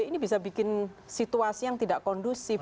ini bisa bikin situasi yang tidak kondusif